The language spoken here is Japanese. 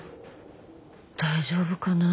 大丈夫かなぁ。